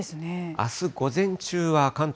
あす午前中は関東